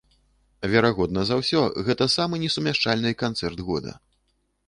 Верагодна за ўсё гэта самы несумяшчальны канцэрт года.